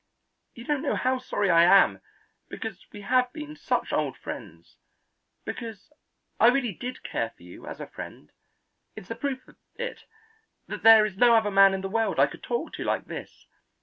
You don't know how sorry I am, because we have been such old friends because I really did care for you as a friend; it's a proof of it, that there is no other man in the world I could talk to like this.